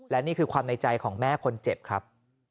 และนี่คือความในใจของแม่คนเจ็บครับ